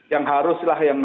yang haruslah yang